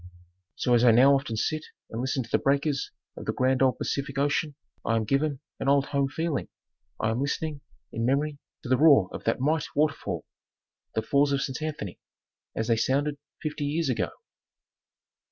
So as I now often sit and listen to the breakers of the grand old Pacific Ocean, I am given an old home feeling, I am listening, in memory, to the roar of that might water fall, the Falls of St. Anthony, as they sounded fifty years ago.